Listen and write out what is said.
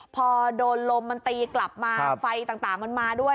พอโดนลมมันตีกลับมาไฟต่างมันมาด้วย